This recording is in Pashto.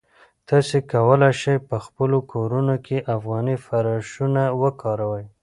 تاسي کولای شئ په خپلو کورونو کې افغاني فرشونه وکاروئ.